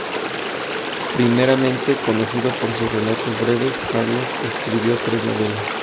Primeramente conocido por sus relatos breves, Carlson escribió tres novelas.